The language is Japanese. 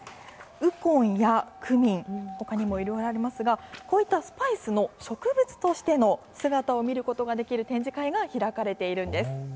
ウコンやクミン、ほかにもいろいろありますが、こういったスパイスの植物としての姿を見ることができる展示会が開かれているんです。